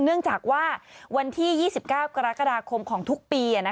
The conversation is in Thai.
เนื่องจากว่าวันที่๒๙กรกฎาคมของทุกปี